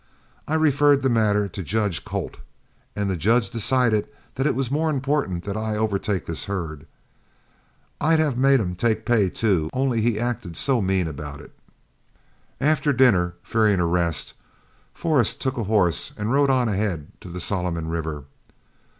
I referred the matter to Judge Colt, and the judge decided that it was more important that I overtake this herd. I'd have made him take pay, too, only he acted so mean about it." After dinner, fearing arrest, Forrest took a horse and rode on ahead to the Solomon River.